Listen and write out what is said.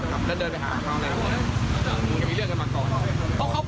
แล้วเดินไปหาเขาเลยมีเรื่องกันมาก่อน